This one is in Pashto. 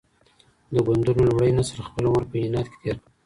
د ګوندونو لومړي نسل خپل عمر په عناد کي تېر کړ.